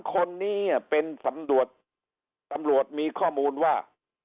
คนนี้เป็นสำรวจตำรวจตำรวจมีข้อมูลว่า